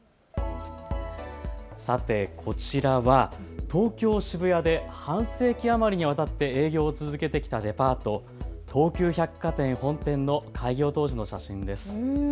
さて、こちらは東京渋谷で半世紀余りにわたって営業を続けてきたデパート、東急百貨店本店の開業当時の写真です。